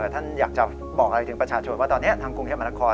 ท่านอยากจะบอกอะไรถึงประชาชนว่าตอนนี้ทางกรุงเทพมหานคร